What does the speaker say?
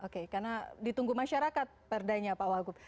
karena ditunggu masyarakat perda nya pak wahgub